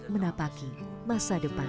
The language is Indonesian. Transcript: buat menapaki masa depan